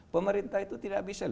pemerintah itu tidak bisa